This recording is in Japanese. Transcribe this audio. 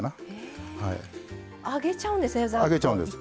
上げちゃうんです。